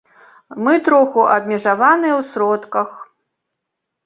Мы троху абмежаваныя ў сродках.